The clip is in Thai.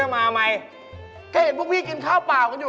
ซื้ออะไรล่ะบ๊ายบ๊ายบาย